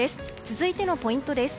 続いてのポイントです。